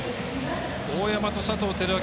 大山と、佐藤輝明